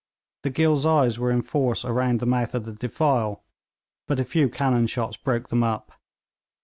The Ghilzais were in force around the mouth of the defile, but a few cannon shots broke them up.